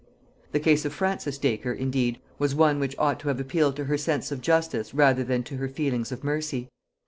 The case of Francis Dacre indeed was one which ought to have appealed to her sense of justice rather than to her feelings of mercy.